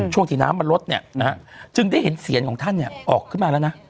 ช่วงที่น้ำมันลดเนี่ยนะฮะจึงได้เห็นเสียนของท่านออกขึ้นมาแล้วนะ